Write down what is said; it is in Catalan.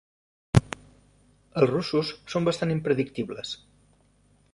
Els russos són bastant impredictibles.